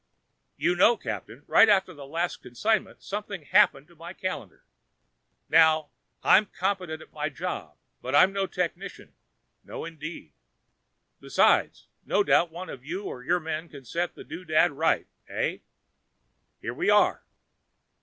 "You know, Captain, right after the last consignment something happened to my calendar. Now, I'm competent at my job, but I'm no technician, no indeed: besides, no doubt you or one of your men can set the doodad right, eh? Here we are."